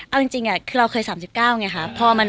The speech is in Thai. เอาจริงคือเราเคย๓๙ไงคะ